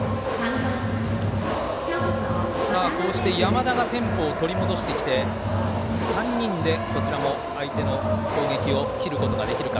こうして山田がテンポを取り戻してきて３人で、こちらも相手の攻撃を切ることができるか。